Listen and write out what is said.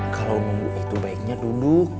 kalo nunggu itu baiknya duduk